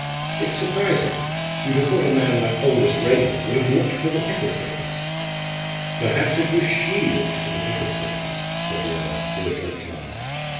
It's surprising; you'd have thought a man like Aldous Raeburn would have looked for the pick of things." "Perhaps it was she looked for the pick of things!" said the other, with a blunt laugh.